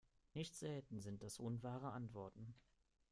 Nicht selten sind das unwahre Antworten.